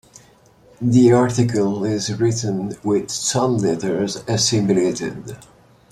The article is written with "sun letters" assimilated.